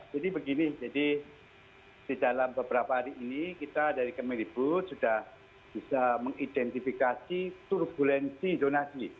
jadi begini jadi di dalam beberapa hari ini kita dari kemendikbud sudah bisa mengidentifikasi turbulensi zonasi